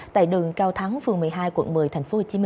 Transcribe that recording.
tại đường cao thắng phường một mươi hai quận một mươi tp hcm